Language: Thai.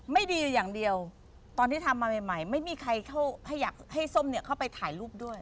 ไม่ดีอย่างเดียวตอนที่ทำมาใหม่ไม่มีใครเข้าให้อยากให้ส้มเข้าไปถ่ายรูปด้วย